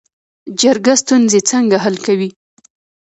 جرګه ستونزې څنګه حل کوي؟